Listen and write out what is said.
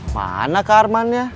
mana kak armannya